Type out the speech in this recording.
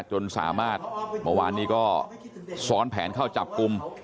จนสามารถเมื่อวานนี้ก็ซ้อนแผนเข้าจับกลุ่ม